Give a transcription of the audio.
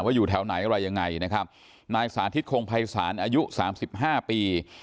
ว่าอยู่แถวไหนอะไรยังไงนะครับนายสาธิตคงภัยสารอายุ๓๕ปี